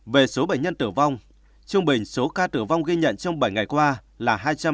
về số bệnh nhân tử vong trung bình số ca tử vong ghi nhận trong bảy ngày qua là